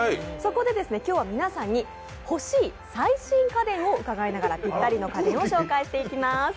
そこで今日は皆さんに欲しい最新家電を伺いながらぴったりの家電を紹介していきます。